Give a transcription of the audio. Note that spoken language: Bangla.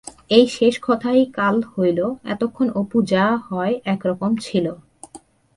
এই শেষ কথাই কাল হইল-এতক্ষণ অপু যা হয় এক রকম ছিল।